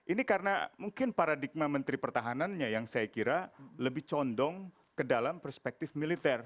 ini karena mungkin paradigma menteri pertahanannya yang saya kira lebih condong ke dalam perspektif militer